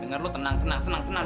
dengar lo tenang tenang tenang tenang